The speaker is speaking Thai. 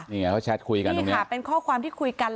นี่ไงเขาแชทคุยกันตรงนี้ค่ะเป็นข้อความที่คุยกัน